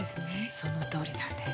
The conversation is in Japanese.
そのとおりなんです。